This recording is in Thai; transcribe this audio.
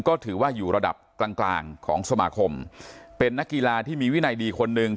ก็ถือว่าอยู่ระดับกลางกลางของสมาคมเป็นนักกีฬาที่มีวินัยดีคนหนึ่ง